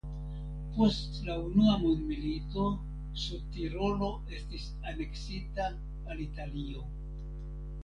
Post la Unua Mondmilito Sudtirolo estis aneksita al Italio.